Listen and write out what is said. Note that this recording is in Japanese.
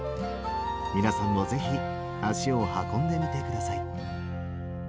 皆さんも是非足を運んでみてください。